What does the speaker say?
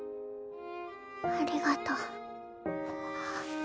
ありがとう。